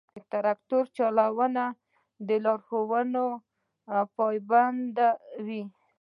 د ټرک چلوونکي د لارښوونو پابند وي.